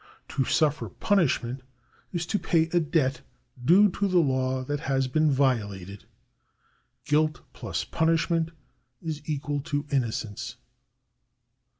To suffer punishment is to pay a debt due to the law that has been violated. Guilt ^^Zws punishment is equal to innocence.